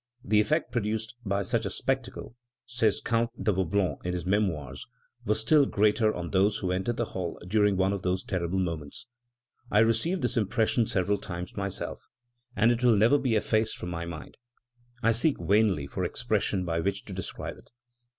"The effect produced by such a spectacle," says Count de Vaublanc in his Memoirs, "was still greater on those who entered the hall during one of those terrible moments. I received this impression several times myself, and it will never be effaced from my mind; I seek vainly for expressions by which to describe it.